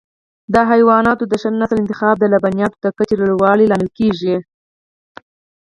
د حیواناتو د ښه نسل انتخاب د لبنیاتو د کچې لوړولو لامل کېږي.